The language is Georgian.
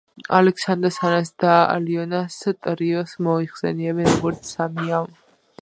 ალექსანდრას, ანას და ალიონას ტრიოს მოიხსენიებენ, როგორც სამი ა.